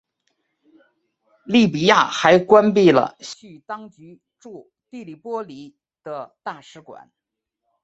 利比亚还关闭了叙当局驻的黎波里的大使馆。